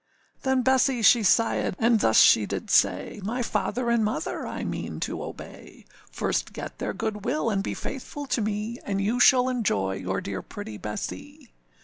â Then Bessee she sighèd and thus she did say: âMy father and mother I mean to obey; First get their good will, and be faithful to me, And you shall enjoy your dear pretty Bessee.